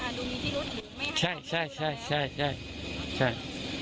ดูมีที่รถหลุมใช่ใช่ใช่ใช่ใช่